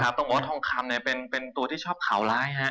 ครับนำบอกว่าทองคำเป็นตัวที่ชอบเผาร้ายฮะ